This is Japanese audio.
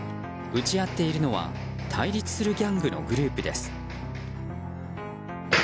撃ち合っているのは対立するギャングのグループです。